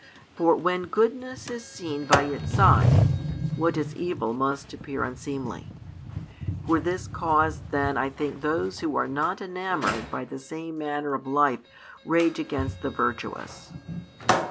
For when goodness is seen by its side, what is evil must appear unseemly. For this cause then I think those who are not enamoured of the same manner of life rage against the virtuous.